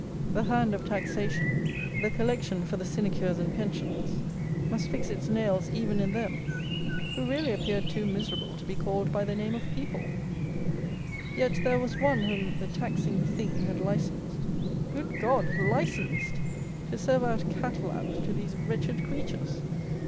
The hand of taxation, the collection for the sinecures and pensions, must fix its nails even in them, who really appeared too miserable to be called by the name of people. Yet there was one whom the taxing Thing had licensed (good God! licensed!) to serve out cat lap to these wretched creatures!